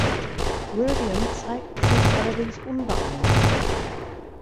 William zeigt sich allerdings unbeeindruckt.